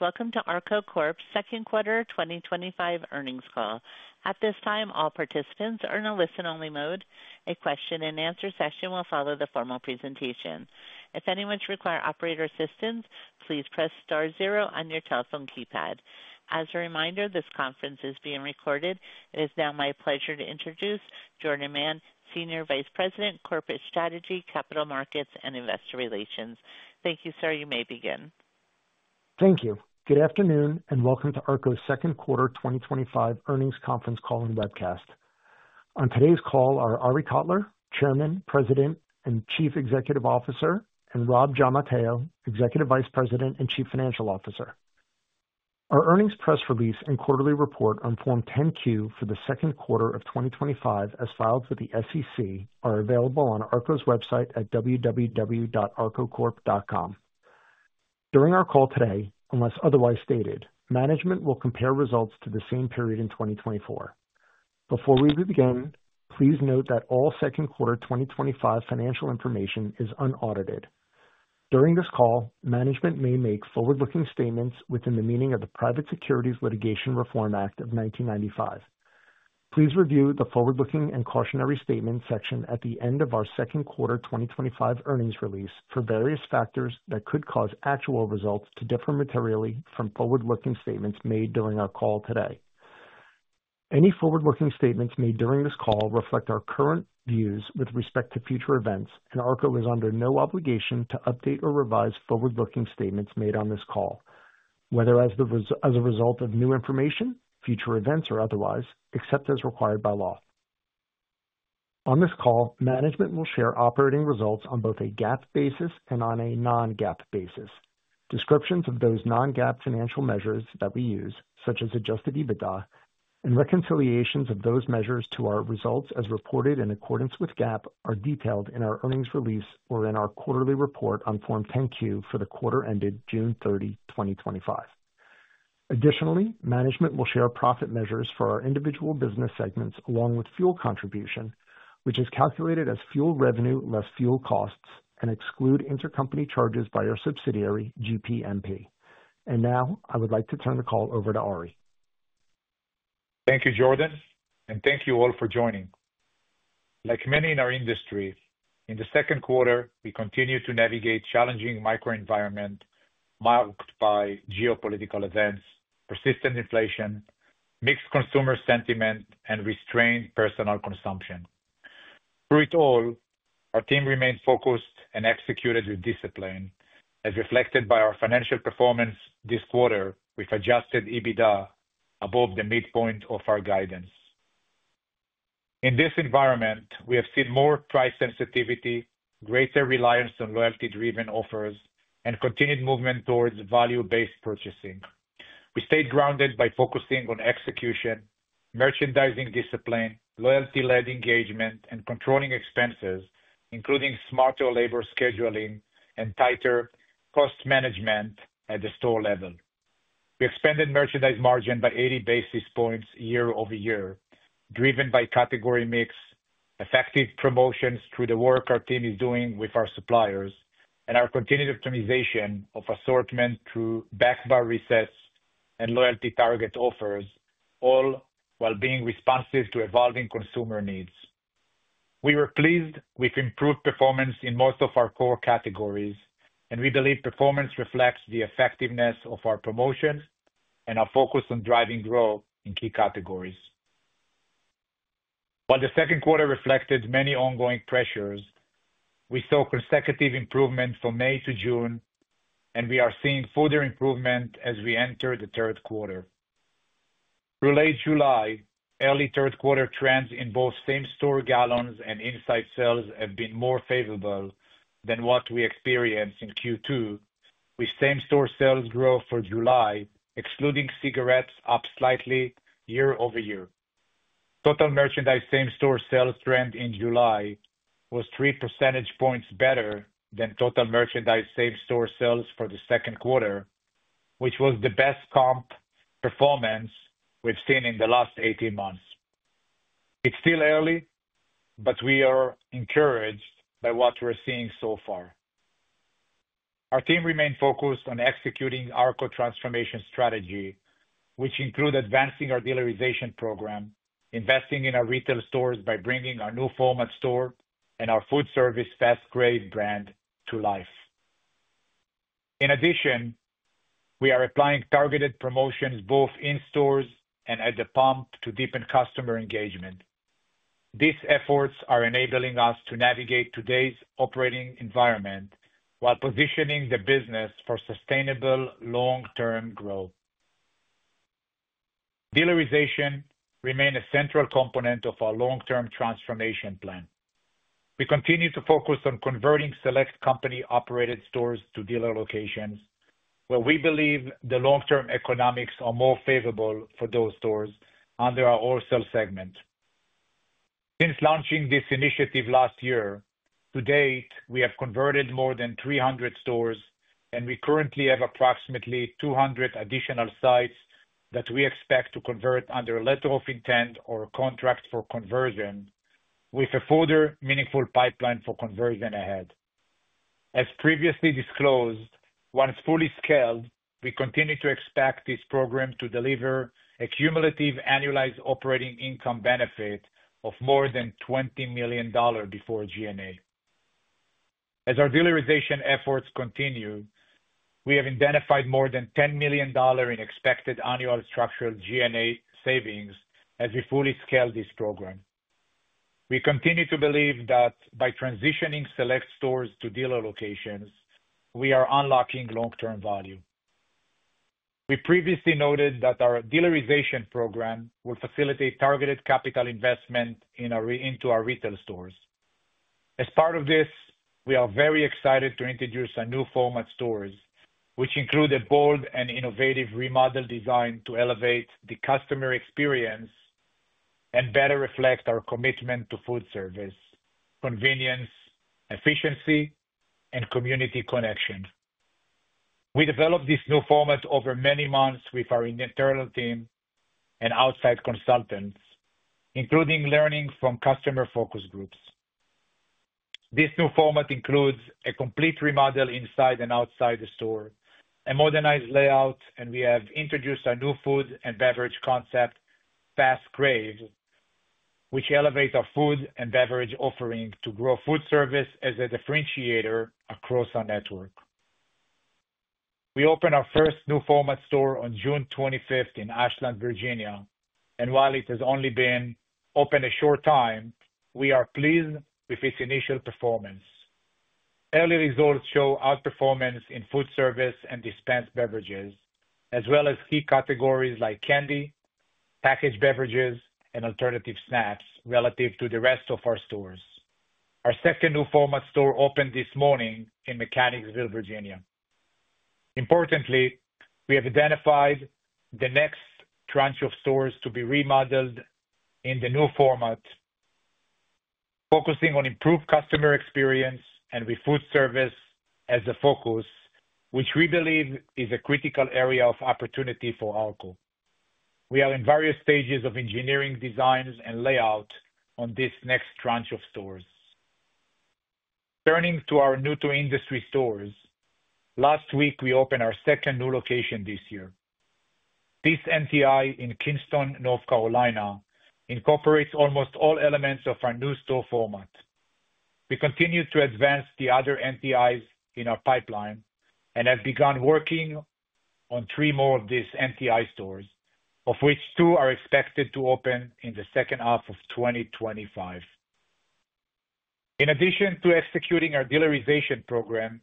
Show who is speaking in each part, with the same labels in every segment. Speaker 1: Welcome to ARKO Corp's Second Quarter 2025 Earnings Call. At this time, all participants are in a listen-only mode. A question and answer session will follow the formal presentation. If anyone should require operator assistance, please press star zero on your telephone keypad. As a reminder, this conference is being recorded. It is now my pleasure to introduce Jordan Mann, Senior Vice President, Corporate Strategy, Capital Markets, and Investor Relations. Thank you, sir. You may begin.
Speaker 2: Thank you. Good afternoon and welcome to ARKO's Second Quarter 2025 Earnings Conference Call and webcast. On today's call are Arie Kotler, Chairman, President and Chief Executive Officer, and Robb Giammatteo, Executive Vice President and Chief Financial Officer. Our earnings press release and quarterly report on Form 10-Q for the second quarter of 2025, as filed with the SEC, are available on ARKO's website at www.arkocorp.com. During our call today, unless otherwise stated, management will compare results to the same period in 2024. Before we begin, please note that all second quarter 2025 financial information is unaudited. During this call, management may make forward-looking statements within the meaning of the Private Securities Litigation Reform Act of 1995. Please review the forward-looking and cautionary statements section at the end of our second quarter 2025 earnings release for various factors that could cause actual results to differ materially from forward-looking statements made during our call today. Any forward-looking statements made during this call reflect our current views with respect to future events, and ARKO is under no obligation to update or revise forward-looking statements made on this call, whether as a result of new information, future events, or otherwise, except as required by law. On this call, management will share operating results on both a GAAP basis and on a non-GAAP basis. Descriptions of those non-GAAP financial measures that we use, such as adjusted EBITDA and reconciliations of those measures to our results as reported in accordance with GAAP, are detailed in our earnings release or in our quarterly report on Form 10-Q for the quarter ended June 30, 2025. Additionally, management will share profit measures for our individual business segments along with fuel contribution, which is calculated as fuel revenue less fuel costs and excludes intercompany charges by our subsidiary, GPMP. I would like to turn the call over to Arie.
Speaker 3: Thank you, Jordan, and thank you all for joining. Like many in our industry, in the second quarter, we continue to navigate a challenging microenvironment marked by geopolitical events, persistent inflation, mixed consumer sentiment, and restrained personal consumption. Through it all, our team remains focused and executes with discipline, as reflected by our financial performance this quarter with adjusted EBITDA above the midpoint of our guidance. In this environment, we have seen more price sensitivity, greater reliance on loyalty-driven offers, and continued movement towards value-based purchasing. We stayed grounded by focusing on execution, merchandising discipline, loyalty-led engagement, and controlling expenses, including smarter labor scheduling and tighter cost management at the store level. We expanded merchandise margin by 80 basis points year over year, driven by category mix, effective promotions through the work our team is doing with our suppliers, and our continued optimization of assortment through backbar resets and loyalty target offers, all while being responsive to evolving consumer needs. We were pleased with improved performance in most of our core categories, and we believe performance reflects the effectiveness of our promotions and our focus on driving growth in key categories. While the second quarter reflected many ongoing pressures, we saw consecutive improvements from May to June, and we are seeing further improvements as we enter the third quarter. Through late July, early third quarter trends in both same-store gallons and in-site sales have been more favorable than what we experienced in Q2, with same-store sales growth for July, excluding cigarettes, up slightly year-over-year. Total merchandise same-store sales trend in July was 3% better than total merchandise same-store sales for the second quarter, which was the best comp performance we've seen in the last 18 months. It's still early, but we are encouraged by what we're seeing so far. Our team remains focused on executing ARKO transformation strategy, which includes advancing our dealerization program, investing in our retail stores by bringing our new format store and our food service fas craves brand to life. In addition, we are applying targeted promotions both in stores and at the pump to deepen customer engagement. These efforts are enabling us to navigate today's operating environment while positioning the business for sustainable long-term growth. Dealerization remains a central component of our long-term transformation plan. We continue to focus on converting select company-operated stores to dealer locations, where we believe the long-term economics are more favorable for those stores under our wholesale segment. Since launching this initiative last year, to date, we have converted more than 300 stores, and we currently have approximately 200 additional sites that we expect to convert under a letter of intent or contract for conversion, with a further meaningful pipeline for conversion ahead. As previously disclosed, once fully scaled, we continue to expect this program to deliver a cumulative annualized operating income benefit of more than $20 million before G&A. As our dealerization efforts continue, we have identified more than $10 million in expected annual structural G&A savings as we fully scale this program. We continue to believe that by transitioning select stores to dealer locations, we are unlocking long-term value. We previously noted that our dealerization program will facilitate targeted capital investment into our retail stores. As part of this, we are very excited to introduce our new format stores, which include a bold and innovative remodel design to elevate the customer experience and better reflect our commitment to food service, convenience, efficiency, and community connection. We developed this new format over many months with our internal team and outside consultants, including learning from customer focus groups. This new format includes a complete remodel inside and outside the store, a modernized layout, and we have introduced our new food and beverage concept, fas craves, which elevates our food and beverage offering to grow food service as a differentiator across our network. We opened our first new format store on June 25th in Ashland, Virginia, and while it has only been open a short time, we are pleased with its initial performance. Early results show outperformance in food service and dispensed beverages, as well as key categories like candy, packaged beverages, and alternative snacks relative to the rest of our stores. Our second new format store opened this morning in Mechanicsville, Virginia. Importantly, we have identified the next tranche of stores to be remodeled in the new format, focusing on improved customer experience and with food service as a focus, which we believe is a critical area of opportunity for ARKO. We are in various stages of engineering designs and layout on this next tranche of stores. Turning to our new-to-industry stores, last week we opened our second new location this year. This NTI in Kinston, North Carolina, incorporates almost all elements of our new store format. We continue to advance the other NTIs in our pipeline and have begun working on three more of these NTI stores, of which two are expected to open in the second half of 2025. In addition to executing our dealerization program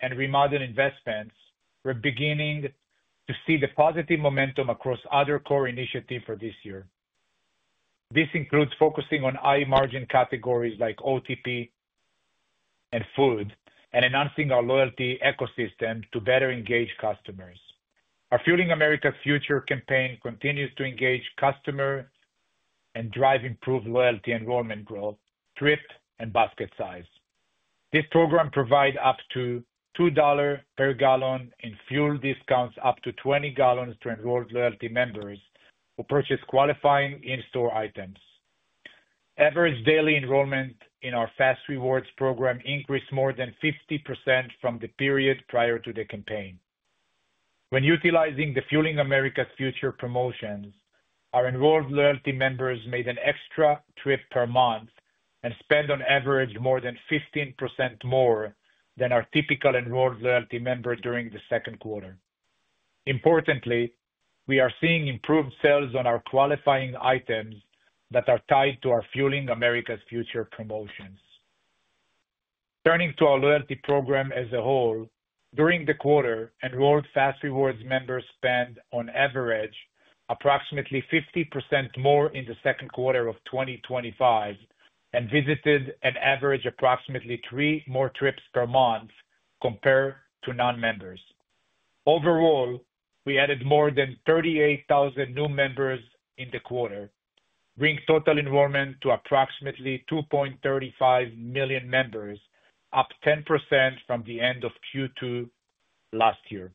Speaker 3: and remodel investments, we're beginning to see the positive momentum across other core initiatives for this year. This includes focusing on high-margin categories like OTP and food, and enhancing our loyalty ecosystem to better engage customers. Our Fueling America's Future campaign continues to engage customers and drive improved loyalty enrollment growth, thrift, and basket size. This program provides up to $2 per gallon in fuel discounts up to 20 gallons to enrolled loyalty members who purchase qualifying in-store items. Average daily enrollment in our fas REWARDS program increased more than 50% from the period prior to the campaign. When utilizing the Fueling America's Future promotions, our enrolled loyalty members made an extra trip per month and spent on average more than 15% more than our typical enrolled loyalty member during the second quarter. Importantly, we are seeing improved sales on our qualifying items that are tied to our Fueling America's Future promotions. Turning to our loyalty program as a whole, during the quarter, enrolled fas REWARDS members spent on average approximately 50% more in the second quarter of 2025 and visited an average of approximately three more trips per month compared to non-members. Overall, we added more than 38,000 new members in the quarter, bringing total enrollment to approximately 2.35 million members, up 10% from the end of Q2 last year.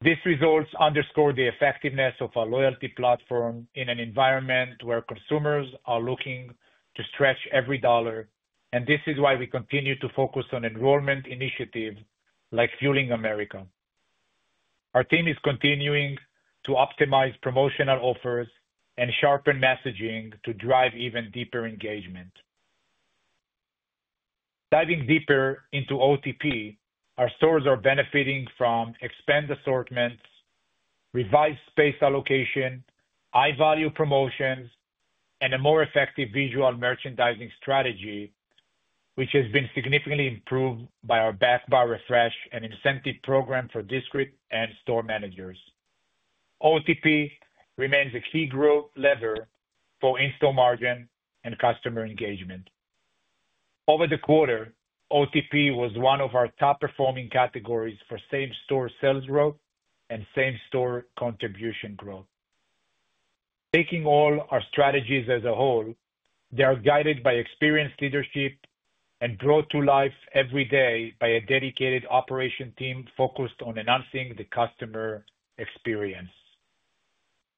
Speaker 3: These results underscore the effectiveness of our loyalty platform in an environment where consumers are looking to stretch every dollar, and this is why we continue to focus on enrollment initiatives like Fueling America. Our team is continuing to optimize promotional offers and sharpen messaging to drive even deeper engagement. Diving deeper into OTP, our stores are benefiting from expanded assortments, revised space allocation, high-value promotions, and a more effective visual merchandising strategy, which has been significantly improved by our backbar refresh and incentive program for district and store managers. OTP remains a key growth lever for in-store margin and customer engagement. Over the quarter, OTP was one of our top-performing categories for same-store sales growth and same-store contribution growth. Taking all our strategies as a whole, they are guided by experienced leadership and brought to life every day by a dedicated operation team focused on enhancing the customer experience.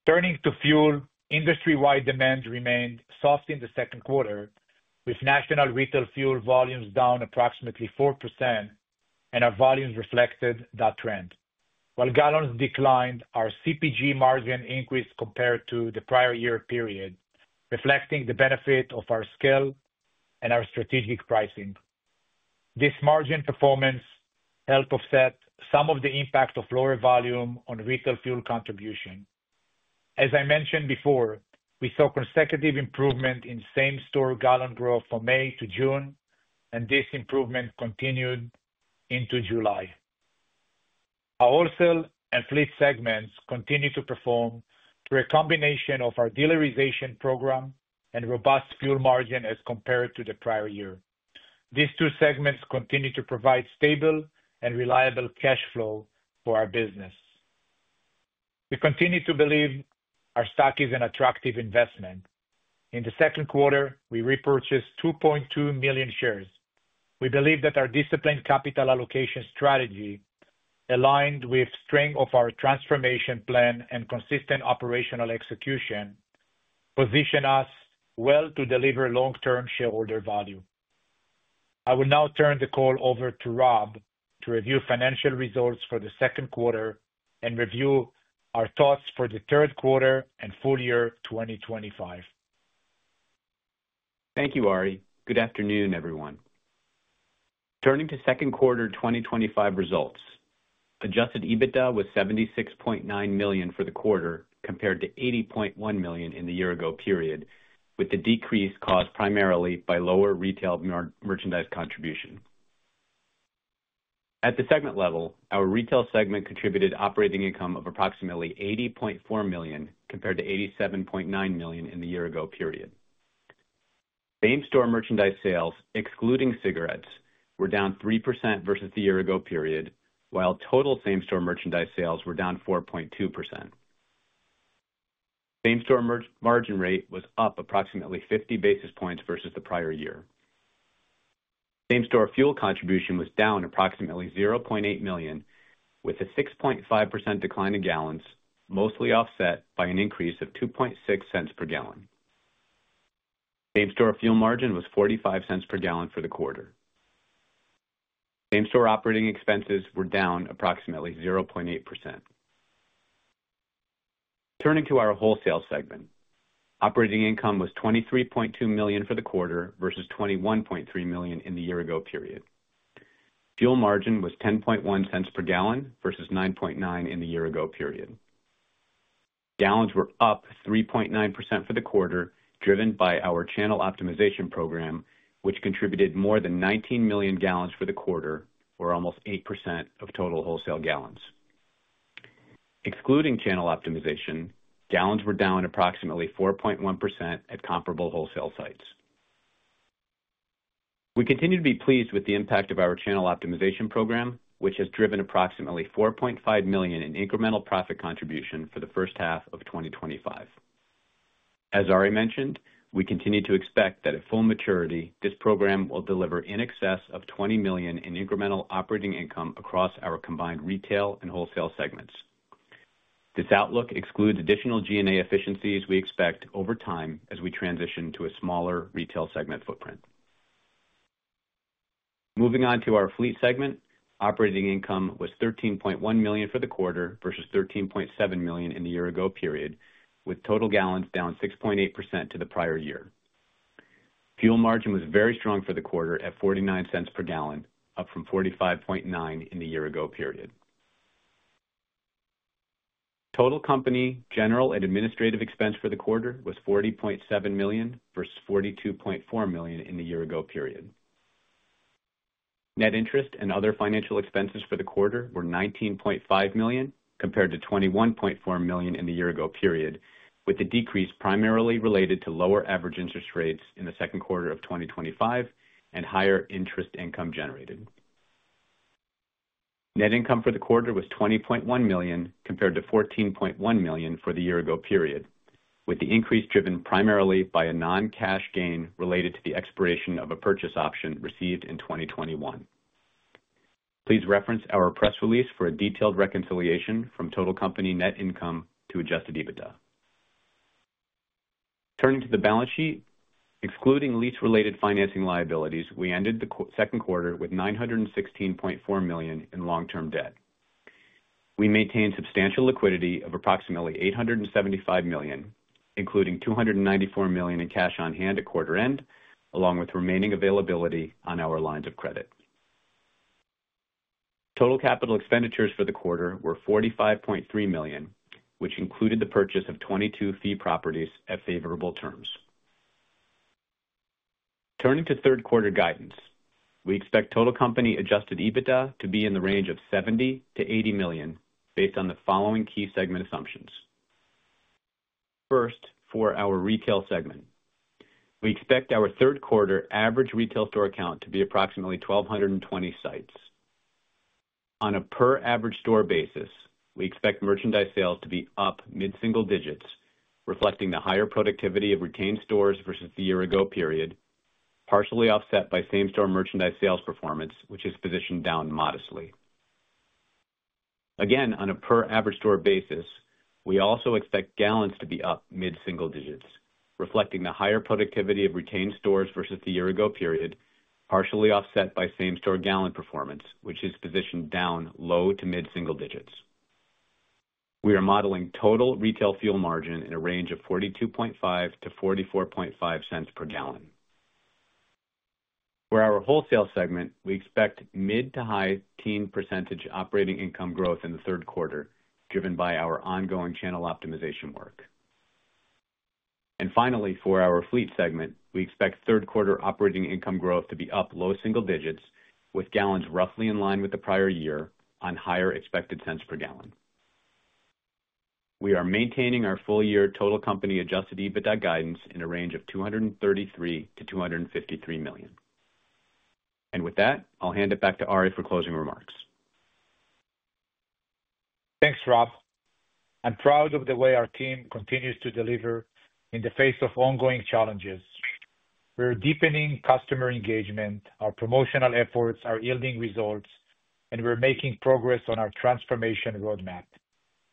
Speaker 3: Turning to fuel, industry-wide demand remained soft in the second quarter, with national retail fuel volumes down approximately 4%, and our volumes reflected that trend. While gallons declined, our CPG margin increased compared to the prior year period, reflecting the benefit of our scale and our strategic pricing. This margin performance helped offset some of the impact of lower volume on retail fuel contribution. As I mentioned before, we saw consecutive improvements in same-store gallon growth from May to June, and this improvement continued into July. Our wholesale and fleet segments continue to perform through a combination of our dealerization program and robust fuel margin as compared to the prior year. These two segments continue to provide stable and reliable cash flow for our business. We continue to believe our stock is an attractive investment. In the second quarter, we repurchased 2.2 million shares. We believe that our disciplined capital allocation strategy, aligned with the strength of our transformation plan and consistent operational execution, positions us well to deliver long-term shareholder value. I will now turn the call over to Robb to review financial results for the second quarter and review our thoughts for the third quarter and full year 2025.
Speaker 4: Thank you, Arie. Good afternoon, everyone. Turning to second quarter 2025 results, adjusted EBITDA was $76.9 million for the quarter compared to $80.1 million in the year-ago period, with the decrease caused primarily by lower retail merchandise contribution. At the segment level, our retail segment contributed operating income of approximately $80.4 million compared to $87.9 million in the year-ago period. Same-store merchandise sales, excluding cigarettes, were down 3% versus the year-ago period, while total same-store merchandise sales were down 4.2%. Same-store margin rate was up approximately 50 basis points versus the prior year. Same-store fuel contribution was down approximately $0.8 million, with a 6.5% decline in gallons, mostly offset by an increase of $0.026 per gallon. Same-store fuel margin was $0.45 per gallon for the quarter. Same-store operating expenses were down approximately 0.8%. Turning to our wholesale segment, operating income was $23.2 million for the quarter versus $21.3 million in the year-ago period. Fuel margin was $0.101 per gallon versus $0.099 in the year-ago period. Gallons were up 3.9% for the quarter, driven by our channel optimization program, which contributed more than 19 million gallons for the quarter, or almost 8% of total wholesale gallons. Excluding channel optimization, gallons were down approximately 4.1% at comparable wholesale sites. We continue to be pleased with the impact of our channel optimization program, which has driven approximately $4.5 million in incremental profit contribution for the first half of 2025. As Arie mentioned, we continue to expect that at full maturity, this program will deliver in excess of $20 million in incremental operating income across our combined retail and wholesale segments. This outlook excludes additional G&A efficiencies we expect over time as we transition to a smaller retail segment footprint. Moving on to our fleet segment, operating income was $13.1 million for the quarter versus $13.7 million in the year-ago period, with total gallons down 6.8% to the prior year. Fuel margin was very strong for the quarter at $0.49 per gallon, up from $0.459 in the year-ago period. Total company general and administrative expense for the quarter was $40.7 million versus $42.4 million in the year-ago period. Net interest and other financial expenses for the quarter were $19.5 million compared to $21.4 million in the year-ago period, with the decrease primarily related to lower average interest rates in the second quarter of 2025 and higher interest income generated. Net income for the quarter was $20.1 million compared to $14.1 million for the year-ago period, with the increase driven primarily by a non-cash gain related to the expiration of a purchase option received in 2021. Please reference our press release for a detailed reconciliation from total company net income to adjusted EBITDA. Turning to the balance sheet, excluding lease-related financing liabilities, we ended the second quarter with $916.4 million in long-term debt. We maintained substantial liquidity of approximately $875 million, including $294 million in cash on hand at quarter end, along with remaining availability on our lines of credit. Total capital expenditures for the quarter were $45.3 million, which included the purchase of 22 fee properties at favorable terms. Turning to third quarter guidance, we expect total company-adjusted EBITDA to be in the range of $70 million-$80 million based on the following key segment assumptions. First, for our retail segment, we expect our third quarter average retail store count to be approximately 1,220 sites. On a per-average store basis, we expect merchandise sales to be up mid-single digits, reflecting the higher productivity of retained stores versus the year-ago period, partially offset by same-store merchandise sales performance, which is positioned down modestly. Again, on a per-average store basis, we also expect gallons to be up mid-single digits, reflecting the higher productivity of retained stores versus the year-ago period, partially offset by same-store gallon performance, which is positioned down low to mid-single digits. We are modeling total retail fuel margin in a range of $0.425-$0.445 per gallon. For our wholesale segment, we expect mid to high-teen % operating income growth in the third quarter, driven by our ongoing channel optimization work. Finally, for our fleet segment, we expect third quarter operating income growth to be up low single digits, with gallons roughly in line with the prior year on higher expected cents per gallon. We are maintaining our full year total company-adjusted EBITDA guidance in a range of $233 million-$253 million. With that, I'll hand it back to Arie for closing remarks.
Speaker 3: Thanks, Robb. I'm proud of the way our team continues to deliver in the face of ongoing challenges. We're deepening customer engagement, our promotional efforts are yielding results, and we're making progress on our transformation roadmap.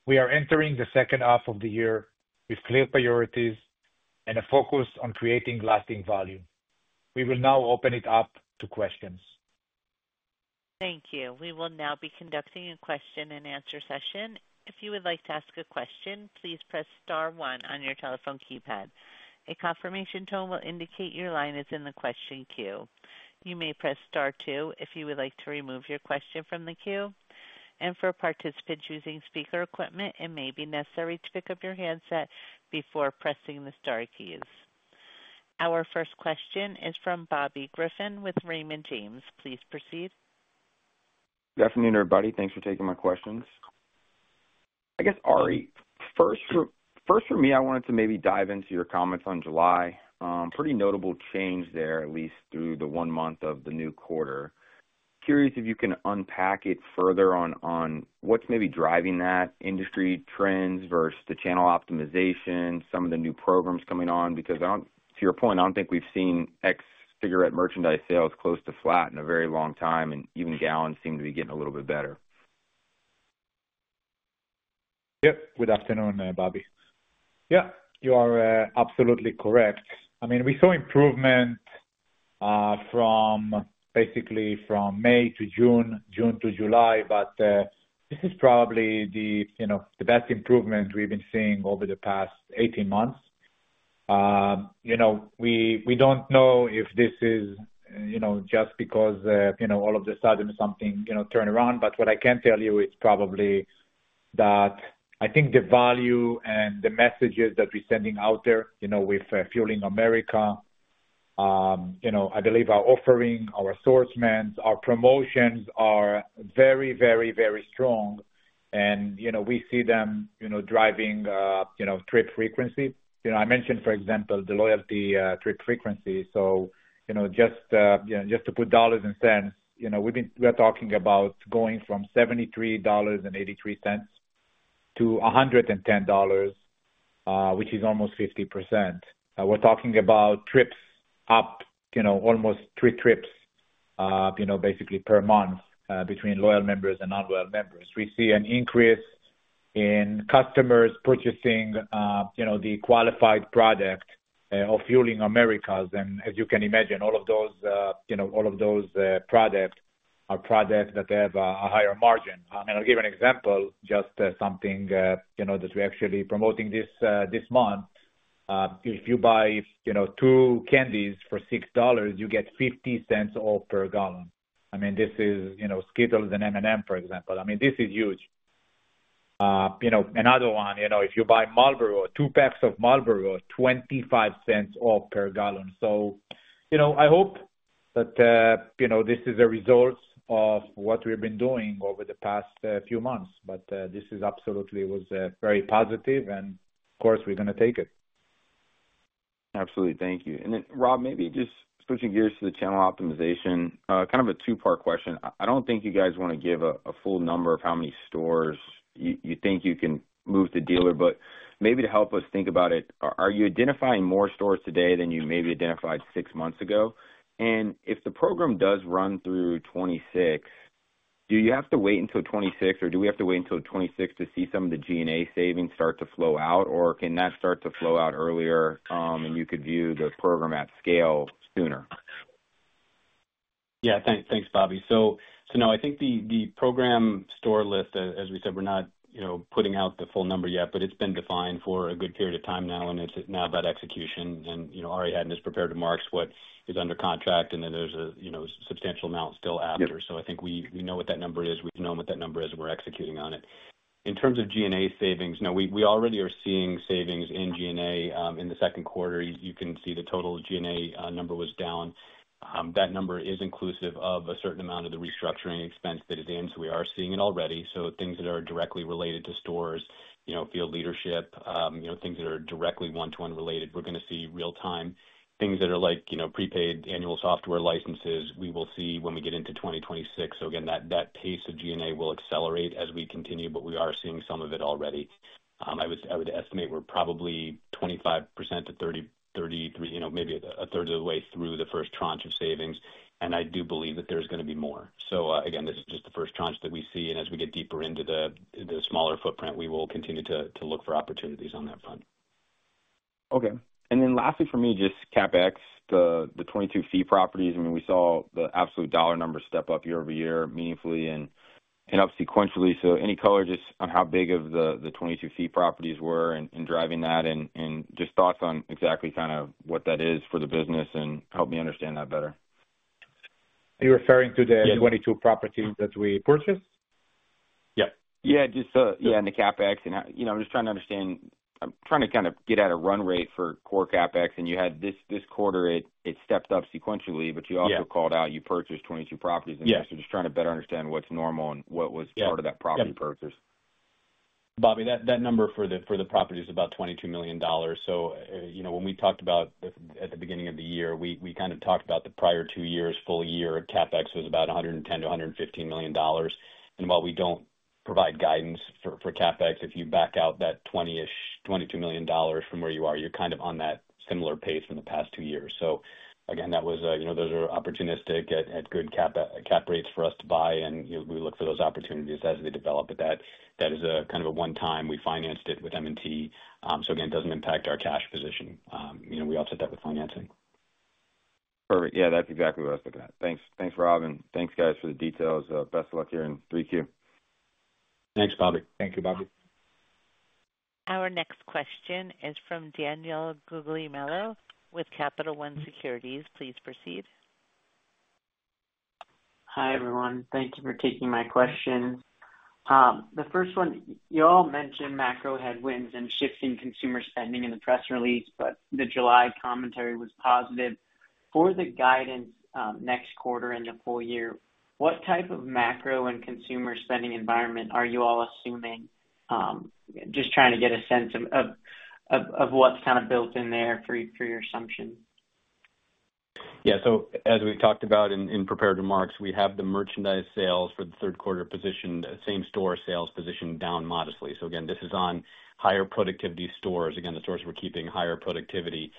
Speaker 3: We are entering the second half of the year with clear priorities and a focus on creating lasting value. We will now open it up to questions.
Speaker 1: Thank you. We will now be conducting a question and answer session. If you would like to ask a question, please press star one on your telephone keypad. A confirmation tone will indicate your line is in the question queue. You may press star two if you would like to remove your question from the queue. For participants using speaker equipment, it may be necessary to pick up your handset before pressing the star keys. Our first question is from Bobby Griffin with Raymond James. Please proceed.
Speaker 5: Good afternoon, everybody. Thanks for taking my questions. I guess, Arie, first for me, I wanted to maybe dive into your comments on July. Pretty notable change there, at least through the one month of the new quarter. Curious if you can unpack it further on what's maybe driving that, industry trends versus the channel optimization, some of the new programs coming on, because I don't, to your point, I don't think we've seen ex-cigarette merchandise sales close to flat in a very long time, and even gallons seem to be getting a little bit better.
Speaker 3: Yeah. Good afternoon, Bobby. Yeah, you are absolutely correct. I mean, we saw improvement basically from May to June, June to July. This is probably the best improvement we've been seeing over the past 18 months. We don't know if this is just because all of a sudden something turned around. What I can tell you is probably that I think the value and the messages that we're sending out there with Fueling America, I believe our offering, our assortment, our promotions are very, very, very strong. We see them driving trip frequency. I mentioned, for example, the loyalty trip frequency. Just to put dollars and cents, we've been talking about going from $73.83 to $110, which is almost 50%. We're talking about trips up almost three trips per month between loyal members and non-loyal members. We see an increase in customers purchasing the qualified product of Fueling America. As you can imagine, all of those products are products that have a higher margin. I'll give you an example, just something that we're actually promoting this month. If you buy two candies for $6, you get $0.50 off per gallon. This is Skittles and M&M, for example. This is huge. Another one, if you buy two packs of Marlboro, $0.25 off per gallon. I hope that this is a result of what we've been doing over the past few months. This absolutely was very positive, and of course, we're going to take it.
Speaker 5: Absolutely. Thank you. Robb, maybe just switching gears to the channel optimization, kind of a two-part question. I don't think you guys want to give a full number of how many stores you think you can move to dealer, but maybe to help us think about it, are you identifying more stores today than you maybe identified six months ago? If the program does run through 2026, do you have to wait until 2026, or do we have to wait until 2026 to see some of the G&A savings start to flow out, or can that start to flow out earlier and you could view the program at scale sooner?
Speaker 4: Yeah, thanks, Bobby. No, I think the program store list, as we said, we're not putting out the full number yet, but it's been defined for a good period of time now, and it's now about execution. Arie hadn't prepared to mark what is under contract, and then there's a substantial amount still after. I think we know what that number is. We've known what that number is. We're executing on it. In terms of G&A savings, no, we already are seeing savings in G&A in the second quarter. You can see the total G&A number was down. That number is inclusive of a certain amount of the restructuring expense fitted in, so we are seeing it already. Things that are directly related to stores, field leadership, things that are directly one-to-one related, we're going to see real-time. Things that are like prepaid annual software licenses, we will see when we get into 2026. That pace of G&A will accelerate as we continue, but we are seeing some of it already. I would estimate we're probably 25% to 30%, 33%, maybe a third of the way through the first tranche of savings, and I do believe that there's going to be more. This is just the first tranche that we see, and as we get deeper into the smaller footprint, we will continue to look for opportunities on that front.
Speaker 5: Okay. Lastly for me, just CapEx, the 22 fee properties. We saw the absolute dollar number step up year over year meaningfully and up sequentially. Any color just on how big of the 22 fee properties were in driving that, and thoughts on exactly what that is for the business and help me understand that better.
Speaker 3: Are you referring to the 22 properties that we purchased?
Speaker 5: Yeah, the CapEx, I'm just trying to understand, I'm trying to kind of get at a run rate for core CapEx. You had this quarter, it stepped up sequentially, but you also called out you purchased 22 properties. I'm just trying to better understand what's normal and what was part of that property purchase.
Speaker 4: Bobby, that number for the properties is about $22 million. When we talked about at the beginning of the year, we kind of talked about the prior two years, full year, CapEx was about $110 million-$115 million. While we don't provide guidance for CapEx, if you back out that $20 million, $22 million from where you are, you're kind of on that similar pace from the past two years. That was, those are opportunistic at good cap rates for us to buy, and we look for those opportunities as they develop. That is a kind of a one-time, we financed it with M&T. It doesn't impact our cash position. We offset that with financing.
Speaker 5: Perfect. Yeah, that's exactly what I was looking at. Thanks, thanks, Robb, and thanks, guys, for the details. Best of luck here in 3Q.
Speaker 4: Thanks, Bobby.
Speaker 3: Thank you, Bobby.
Speaker 1: Our next question is from Daniel Guglielmo with Capital One Securities. Please proceed.
Speaker 6: Hi, everyone. Thank you for taking my question. The first one, you all mentioned macro-economic headwinds and shifts in consumer spending in the press release, but the July commentary was positive. For the guidance next quarter and the full year, what type of macro and consumer spending environment are you all assuming? Just trying to get a sense of what's kind of built in there for your assumption.
Speaker 4: Yeah, as we talked about in prepared remarks, we have the merchandise sales for the third quarter position, same-store sales position down modestly. This is on higher productivity stores. The stores we're keeping have higher productivity,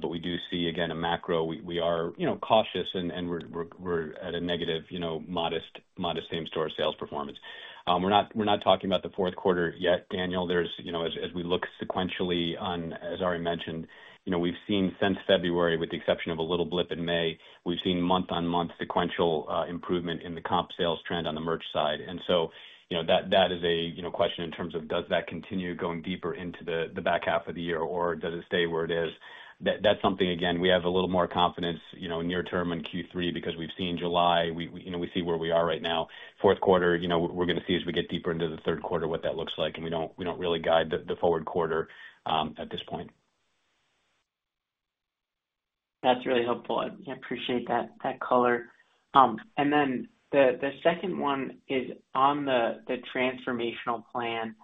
Speaker 4: but we do see a macro. We are cautious and we're at a negative, modest, modest same-store sales performance. We're not talking about the fourth quarter yet, Daniel. As we look sequentially, as Arie mentioned, we've seen since February, with the exception of a little blip in May, month-on-month sequential improvement in the comp sales trend on the merch side. That is a question in terms of does that continue going deeper into the back half of the year or does it stay where it is? We have a little more confidence near term in Q3 because we've seen July, we see where we are right now. Fourth quarter, we're going to see as we get deeper into the third quarter what that looks like, and we don't really guide the forward quarter at this point.
Speaker 6: That's really helpful. I appreciate that color. The second one is on the transformational plan.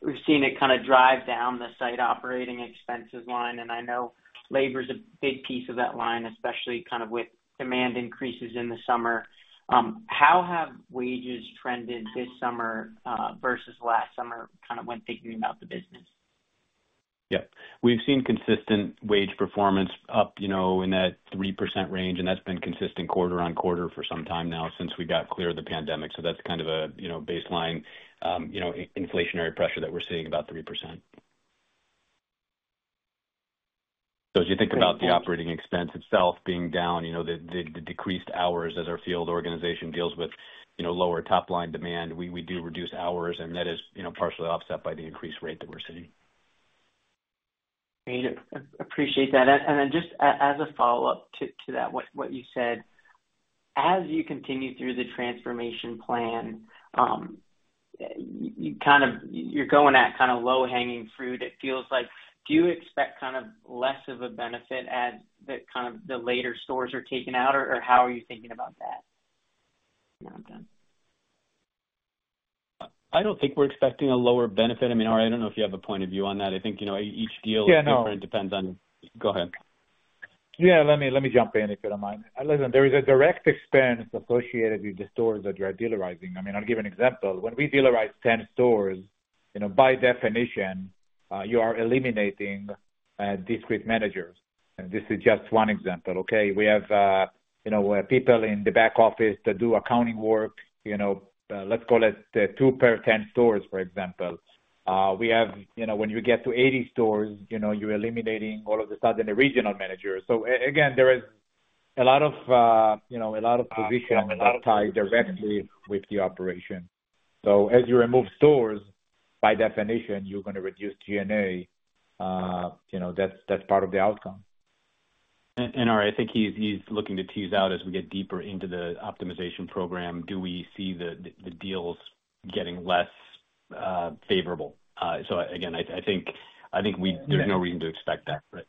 Speaker 6: We've seen it kind of drive down the site operating expenses line, and I know labor is a big piece of that line, especially kind of with demand increases in the summer. How have wages trended this summer versus last summer kind of when figuring out the business?
Speaker 4: Yeah, we've seen consistent wage performance up in that 3% range, and that's been consistent quarter on quarter for some time now since we got clear of the pandemic. That's kind of a baseline inflationary pressure that we're seeing, about 3%. As you think about the operating expense itself being down, the decreased hours as our field organization deals with lower top-line demand, we do reduce hours, and that is partially offset by the increased rate that we're seeing.
Speaker 6: I appreciate that. Just as a follow-up to that, what you said, as you continue through the transformation plan, you're going at kind of low-hanging fruit. It feels like, do you expect kind of less of a benefit at the later stores are taken out, or how are you thinking about that?
Speaker 4: I don't think we're expecting a lower benefit. I mean, Arie, I don't know if you have a point of view on that. I think each deal is different. It depends on, go ahead.
Speaker 3: Yeah, let me jump in if you don't mind. Listen, there is a direct expense associated with the stores that you are dealerizing. I mean, I'll give you an example. When we dealerize 10 stores, by definition, you are eliminating discrete managers. This is just one example, okay? We have people in the back office that do accounting work, let's call it two per 10 stores, for example. When you get to 80 stores, you're eliminating all of a sudden the regional manager. Again, there are a lot of positions tied directly with the operation. As you remove stores, by definition, you're going to reduce G&A. That's part of the outcome.
Speaker 4: Arie, I think he's looking to tease out as we get deeper into the optimization program, do we see the deals getting less favorable? I think there's no reason to expect that.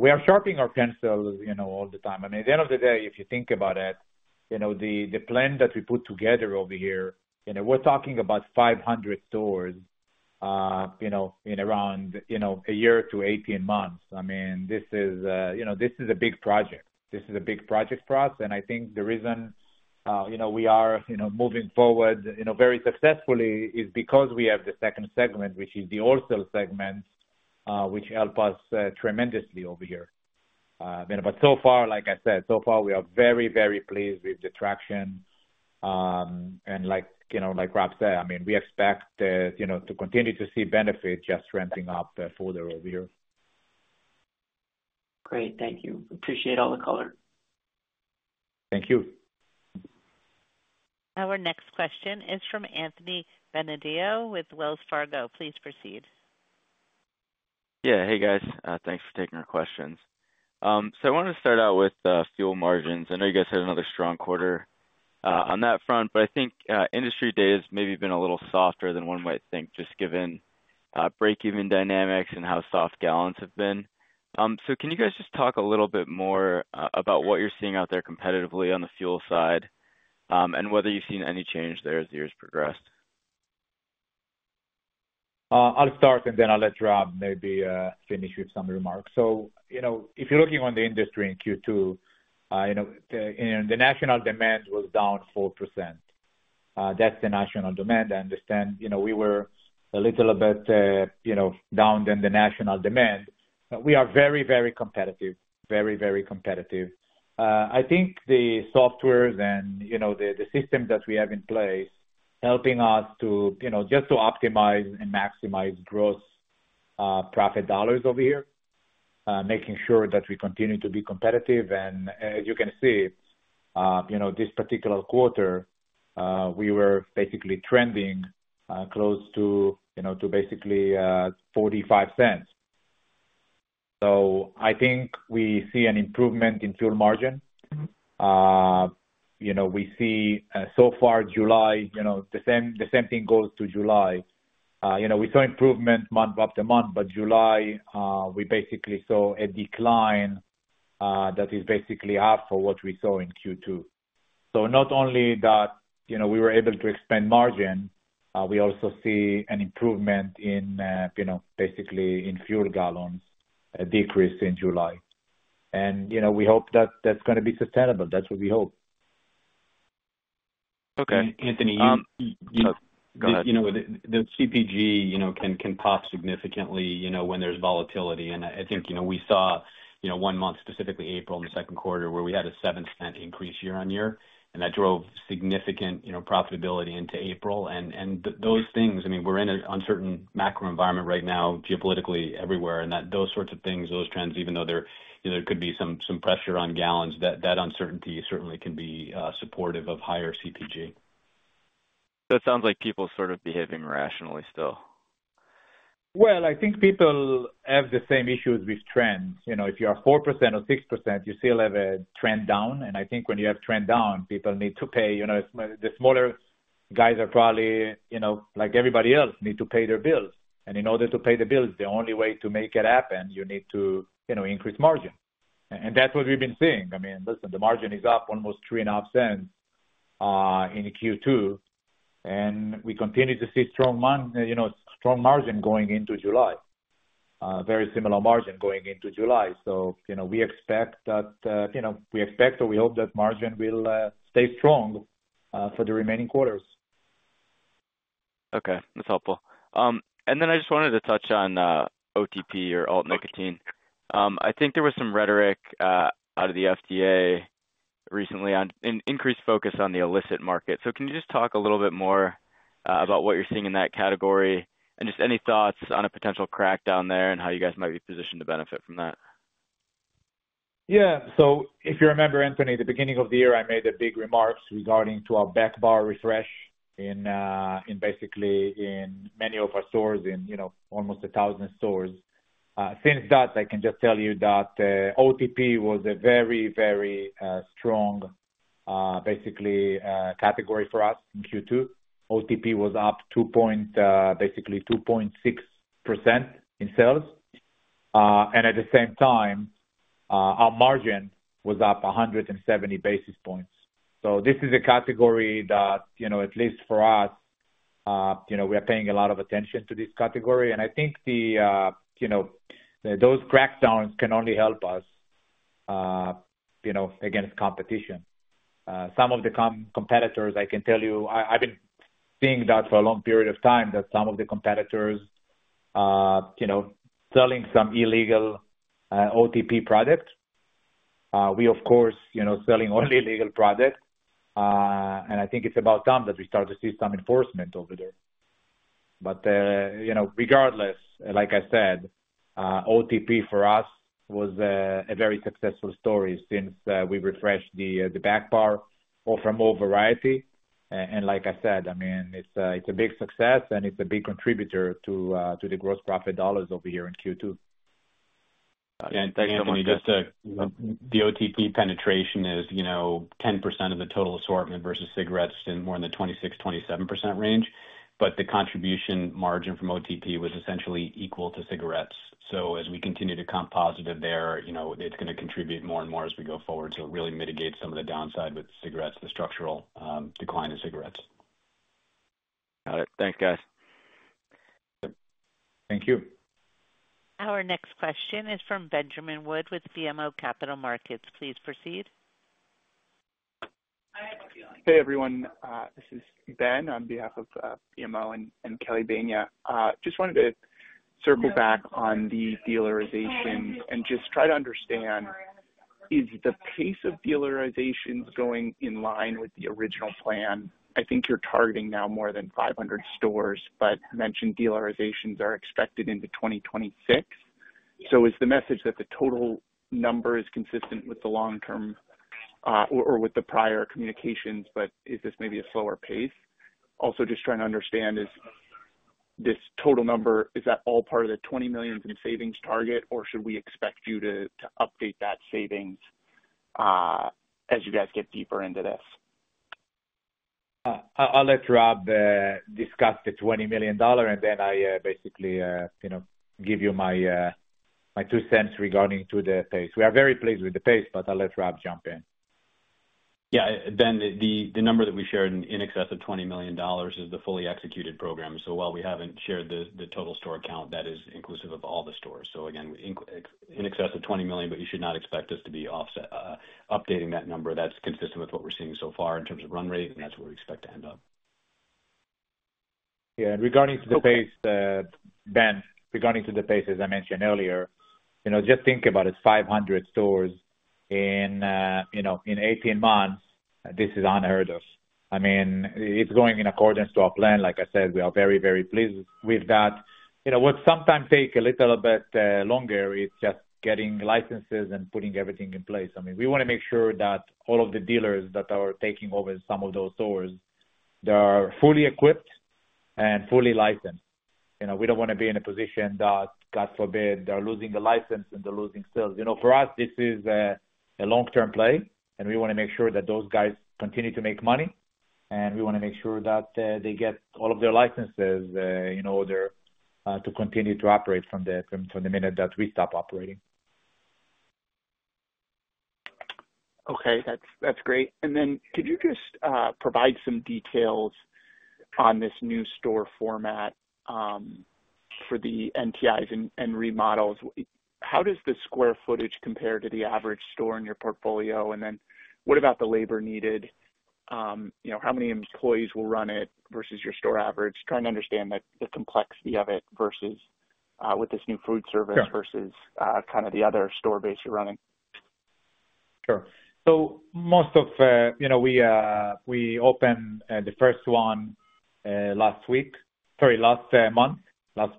Speaker 3: We are sharpening our pencils all the time. At the end of the day, if you think about it, the plan that we put together over here, we're talking about 500 stores in around a year to 18 months. I mean, this is a big project. This is a big project for us. I think the reason we are moving forward very successfully is because we have the second segment, which is the wholesale segment, which helps us tremendously over here. So far, like I said, we are very, very pleased with the traction. Like Robb said, we expect to continue to see benefits just ramping up further over here.
Speaker 6: Great. Thank you. Appreciate all the color.
Speaker 3: Thank you.
Speaker 1: Our next question is from Anthony Bonadio with Wells Fargo. Please proceed.
Speaker 7: Yeah, hey guys. Thanks for taking our questions. I wanted to start out with fuel margins. I know you guys had another strong quarter on that front, but I think industry data has maybe been a little softer than one might think, just given break-even dynamics and how soft gallons have been. Can you guys just talk a little bit more about what you're seeing out there competitively on the fuel side and whether you've seen any change there as the year's progressed?
Speaker 3: I'll start and then I'll let Robb maybe finish with some remarks. If you're looking on the industry in Q2, the national demand was down 4%. That's the national demand. I understand we were a little bit down than the national demand. We are very, very competitive, very, very competitive. I think the softwares and the systems that we have in place helping us to optimize and maximize gross profit dollars over here, making sure that we continue to be competitive. As you can see, this particular quarter, we were basically trending close to basically $0.45. I think we see an improvement in fuel margin. We see so far July, the same thing goes to July. We saw improvement month after month, but July, we basically saw a decline that is basically half of what we saw in Q2. Not only that, we were able to expand margin, we also see an improvement in fuel gallons, a decrease in July. We hope that that's going to be sustainable. That's what we hope.
Speaker 7: Okay.
Speaker 4: Anthony, you know.
Speaker 5: Go ahead.
Speaker 4: The CPG can pop significantly when there's volatility. I think we saw one month, specifically April in the second quarter, where we had a $0.07 increase year on year. That drove significant profitability into April. Those things, I mean, we're in an uncertain macro environment right now, geopolitically everywhere. Those sorts of things, those trends, even though there could be some pressure on gallons, that uncertainty certainly can be supportive of higher CPG.
Speaker 7: It sounds like people are sort of behaving rationally still.
Speaker 3: I think people have the same issues with trends. You know, if you are 4% or 6%, you still have a trend down. I think when you have trend down, people need to pay, you know, the smaller guys are probably, you know, like everybody else, need to pay their bills. In order to pay the bills, the only way to make it happen, you need to, you know, increase margin. That's what we've been seeing. I mean, listen, the margin is up almost $0.035 in Q2. We continue to see strong margin going into July, a very similar margin going into July. You know, we expect that, you know, we expect or we hope that margin will stay strong for the remaining quarters.
Speaker 7: Okay. That's helpful. I just wanted to touch on OTP or alt nicotine. I think there was some rhetoric out of the FDA recently on an increased focus on the illicit market. Can you just talk a little bit more about what you're seeing in that category and any thoughts on a potential crackdown there and how you guys might be positioned to benefit from that?
Speaker 3: Yeah. If you remember, Anthony, at the beginning of the year, I made a big remark regarding our backbar refresh in basically many of our stores in, you know, almost a thousand stores. Since that, I can just tell you that OTP was a very, very strong, basically, category for us in Q2. OTP was up 2.6% in sales, and at the same time, our margin was up 170 basis points. This is a category that, you know, at least for us, you know, we are paying a lot of attention to this category. I think those crackdowns can only help us, you know, against competition. Some of the competitors, I can tell you, I've been seeing that for a long period of time that some of the competitors, you know, selling some illegal OTP products. We, of course, you know, selling only legal products. I think it's about time that we start to see some enforcement over there. Regardless, like I said, OTP for us was a very successful story since we refreshed the backbar, offer more variety. Like I said, I mean, it's a big success and it's a big contributor to the gross profit dollars over here in Q2.
Speaker 4: Yeah, thanks, Anthony. The OTP penetration is 10% of the total assortment versus cigarettes in more than the 26%-27% range. The contribution margin from OTP was essentially equal to cigarettes. As we continue to comp positive there, it's going to contribute more and more as we go forward to really mitigate some of the downside with cigarettes, the structural decline in cigarettes.
Speaker 7: Got it. Thanks, guys.
Speaker 4: Thank you.
Speaker 1: Our next question is from Benjamin Wood with BMO Capital Markets. Please proceed.
Speaker 8: Hey everyone. This is Ben on behalf of BMO and Kelly Bania. Just wanted to circle back on the dealerizations and just try to understand, is the pace of dealerizations going in line with the original plan? I think you're targeting now more than 500 stores, but mentioned dealerizations are expected into 2026. Is the message that the total number is consistent with the long-term or with the prior communications, but is this maybe a slower pace? Also, just trying to understand, is this total number, is that all part of the $20 million in savings target, or should we expect you to update that savings as you guys get deeper into this?
Speaker 3: I'll let Robb discuss the $20 million, and then I basically give you my two cents regarding the pace. We are very pleased with the pace, but I'll let Robb jump in.
Speaker 4: Yeah, Ben, the number that we shared in excess of $20 million is the fully executed program. While we haven't shared the total store count, that is inclusive of all the stores. In excess of $20 million, but you should not expect us to be updating that number. That's consistent with what we're seeing so far in terms of run rate, and that's where we expect to end up.
Speaker 3: Yeah, regarding the pace, Ben, regarding the pace, as I mentioned earlier, just think about it, 500 stores in 18 months, this is unheard of. It's going in accordance with our plan. Like I said, we are very, very pleased with that. What sometimes takes a little bit longer is just getting licenses and putting everything in place. We want to make sure that all of the dealers that are taking over some of those stores are fully equipped and fully licensed. We don't want to be in a position that, God forbid, they're losing the license and they're losing sales. For us, this is a long-term play, and we want to make sure that those guys continue to make money, and we want to make sure that they get all of their licenses to continue to operate from the minute that we stop operating.
Speaker 8: Okay, that's great. Could you just provide some details on this new store format for the NTIs and remodels? How does the square footage compare to the average store in your portfolio? What about the labor needed? You know, how many employees will run it versus your store average? Trying to understand the complexity of it versus with this new food service versus kind of the other store base you're running.
Speaker 3: Sure. Most of you know, we opened the first one last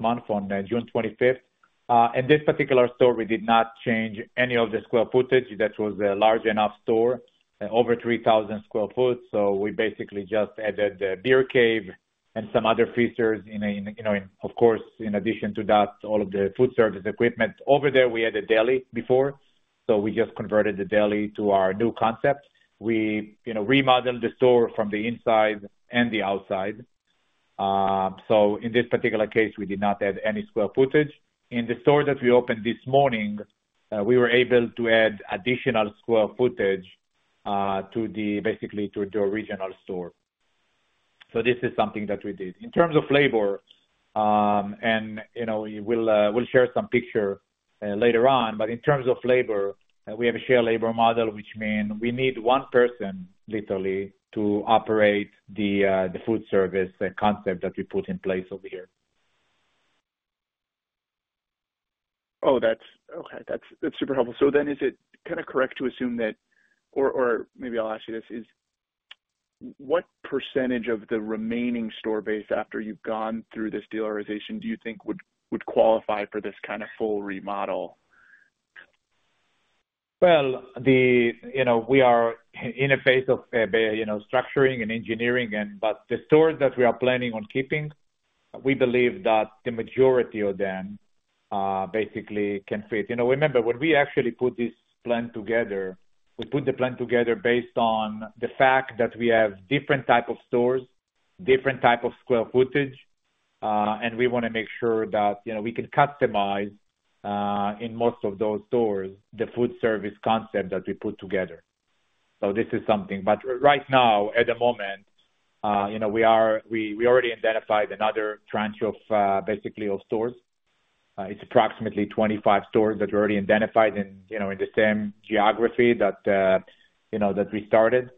Speaker 3: month on June 25th. In this particular store, we did not change any of the square footage. That was a large enough store, over 3,000 square foot. We basically just added the beer cave and some other features, of course, in addition to that, all of the food service equipment. Over there, we had a deli before. We just converted the deli to our new concept. We remodeled the store from the inside and the outside. In this particular case, we did not add any square footage. In the store that we opened this morning, we were able to add additional square footage to the original store. This is something that we did. In terms of labor, we have a shared labor model, which means we need one person, literally, to operate the food service concept that we put in place over here.
Speaker 8: That's super helpful. Is it kind of correct to assume that, or maybe I'll ask you this, what percentage of the remaining store base after you've gone through this dealerization do you think would qualify for this kind of full remodel?
Speaker 3: We are in a phase of structuring and engineering, but the stores that we are planning on keeping, we believe that the majority of them basically can fit. Remember when we actually put this plan together, we put the plan together based on the fact that we have different types of stores, different types of square footage, and we want to make sure that we can customize in most of those stores the food service concept that we put together. This is something. Right now, at the moment, we already identified another tranche of stores. It's approximately 25 stores that we already identified in the same geography that we started.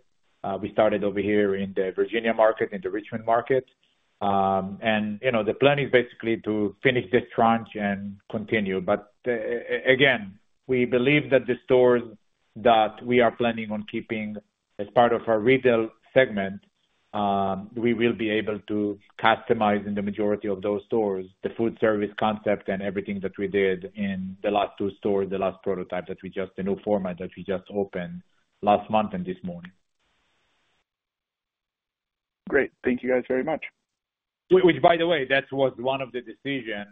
Speaker 3: We started over here in the Virginia market, in the Richmond market. The plan is basically to finish this tranche and continue. We believe that the stores that we are planning on keeping as part of our retail segment, we will be able to customize in the majority of those stores the food service concept and everything that we did in the last two stores, the last prototype, the new format that we just opened last month and this morning.
Speaker 8: Great. Thank you guys very much.
Speaker 3: Which, by the way, that was one of the decisions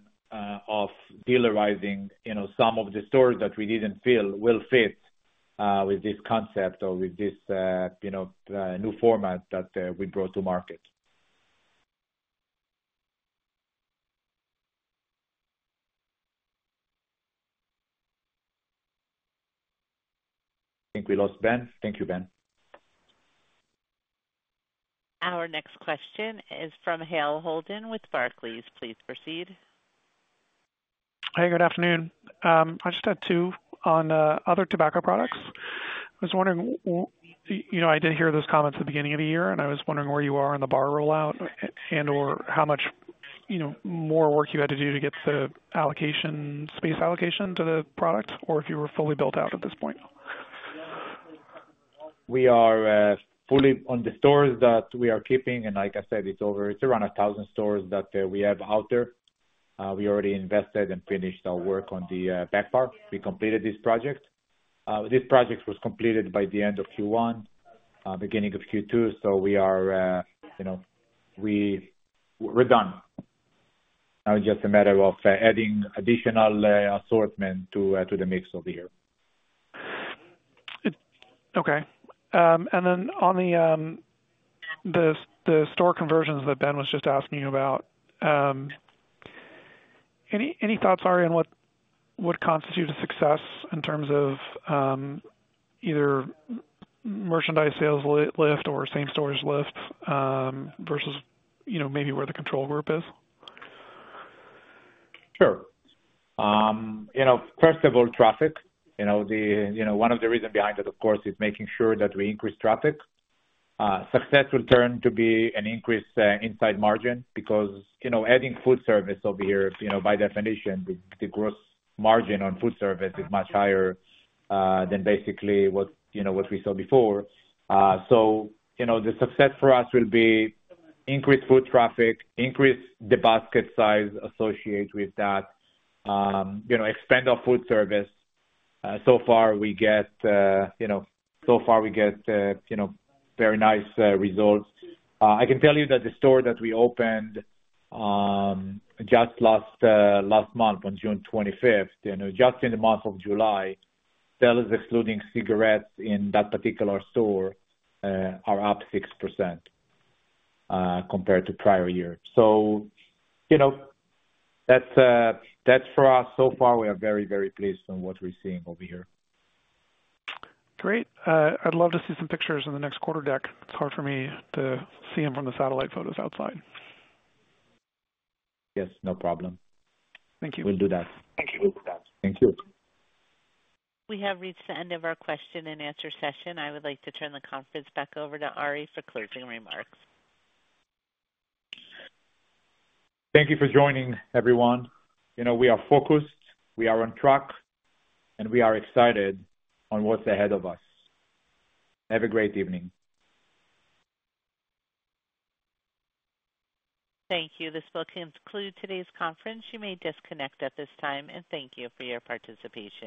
Speaker 3: of dealerizing some of the stores that we didn't feel will fit with this concept or with this new format that we brought to market. I think we lost Ben. Thank you, Ben.
Speaker 1: Our next question is from Hale Holden with Barclays. Please proceed.
Speaker 9: Hey, good afternoon. I just had two on other tobacco products. I was wondering, you know, I did hear those comments at the beginning of the year, and I was wondering where you are on the bar rollout and/or how much, you know, more work you had to do to get the allocations, base allocation to the product, or if you were fully built out at this point.
Speaker 3: We are fully on the stores that we are keeping, and like I said, it's over, it's around 1,000 stores that we have out there. We already invested and finished our work on the back bar. We completed this project. This project was completed by the end of Q1, beginning of Q2. We are done. Now it's just a matter of adding additional assortment to the mix over here.
Speaker 9: Okay. On the store conversions that Ben was just asking you about, any thoughts, Arie, on what would constitute a success in terms of either merchandise sales lift or same-store lift versus maybe where the control group is?
Speaker 3: Sure. First of all, traffic. One of the reasons behind it, of course, is making sure that we increase traffic. Success will turn to be an increase in inside margin because adding food service over here, by definition, the gross margin on food service is much higher than basically what we saw before. The success for us will be increased food traffic, increase the basket size associated with that, expand our food service. So far, we get very nice results. I can tell you that the store that we opened just last month on June 25th, just in the month of July, sales excluding cigarettes in that particular store are up 6% compared to prior year. That's for us. So far, we are very, very pleased with what we're seeing over here.
Speaker 9: Great. I'd love to see some pictures in the next quarter deck. It's hard for me to see them from the satellite photos outside.
Speaker 3: Yes, no problem.
Speaker 9: Thank you.
Speaker 3: Will do that.
Speaker 5: Thank you.
Speaker 3: Thank you.
Speaker 1: We have reached the end of our question and answer session. I would like to turn the conference back over to Arie for closing remarks.
Speaker 3: Thank you for joining, everyone. You know, we are focused, we are on track, and we are excited on what's ahead of us. Have a great evening.
Speaker 1: Thank you. This will conclude today's conference. You may disconnect at this time, and thank you for your participation.